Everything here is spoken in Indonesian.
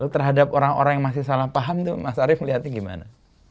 terhadap orang orang yang masih salah paham itu mas arief melihatnya gimana